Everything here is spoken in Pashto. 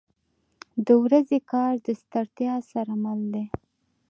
• د ورځې کار د ستړیا سره مل دی.